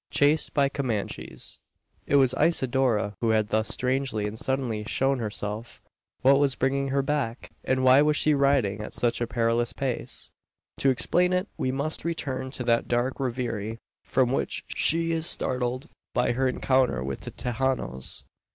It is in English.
CHASED BY COMANCHES. It was Isidora who had thus strangely and suddenly shown herself. What was bringing her back? And why was she riding at such a perilous pace? To explain it, we must return to that dark reverie, from which she was startled by her encounter with the "Tejanos."